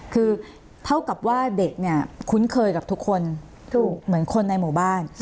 คือเท่ากับว่าเด็กเนี่ยคุ้นเคยกับทุกคนเหมือนคนในหมู่บ้าน